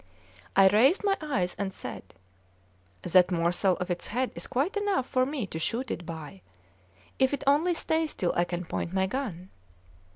I raised my eyes, and said: "That morsel of its head is quite enough for me to shoot it by, if it only stays till I can point my gun."